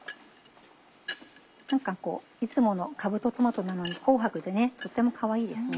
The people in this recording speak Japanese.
いつものかぶとトマトなのに紅白でとってもかわいいですね。